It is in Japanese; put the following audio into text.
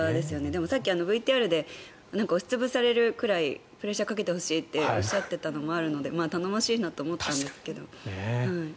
でも、さっきＶＴＲで押し潰されるぐらいプレッシャーをかけてほしいっておっしゃっていたのもあるので頼もしいなと思ったんですけど。